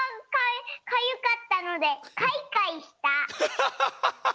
ハハハハハ。